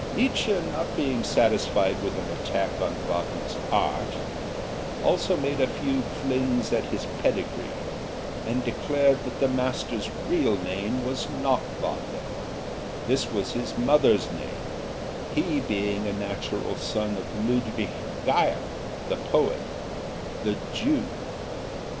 Nietzsche, not being satisfied with an attack on Wagner's art, also made a few flings at his pedigree, and declared that the Master's real name was not Wagner: this was his mother's name, he being a natural son of Ludwig Geyer, the poet the Jew.